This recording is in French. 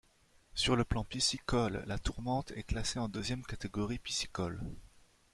Sur le plan piscicole, la Tourmente est classée en deuxième catégorie piscicole.